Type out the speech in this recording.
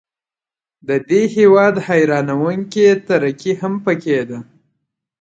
د دې هیواد حیرانوونکې ترقي هم پکې ده.